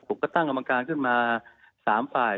ผมก็ตั้งกรรมการขึ้นมา๓ฝ่าย